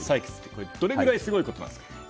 これは、どれくらいすごいことなんですか？